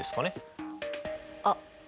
あっ。